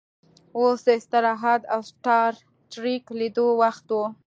اوس د استراحت او سټار ټریک لیدلو وخت و